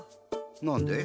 なんで？